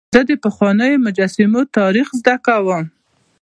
زه د پخوانیو مجسمو تاریخ زدهکړه کوم.